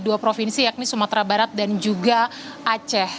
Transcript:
dua provinsi yakni sumatera barat dan juga aceh